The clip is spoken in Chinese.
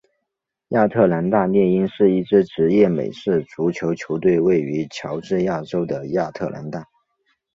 亚特兰大猎鹰是一支职业美式足球球队位于乔治亚州的亚特兰大。